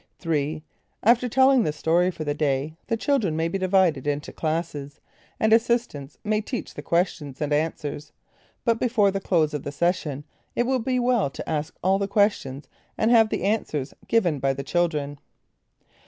3. After telling the story for the day, the children may be divided into classes, and assistants may teach the questions and answers. But before the close of the session it would be well to ask all the questions, and have the answers given by the children.